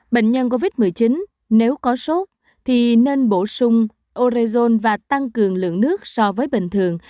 bệnh nhân covid một mươi chín nếu có sốt thì nên bổ sung orezon và tăng cường lượng nước so với bình thường